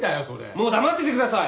もう黙っててください！